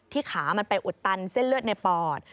ขามันไปอุดตันเส้นเลือดในปอด